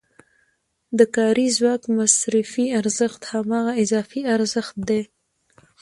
د کاري ځواک مصرفي ارزښت هماغه اضافي ارزښت دی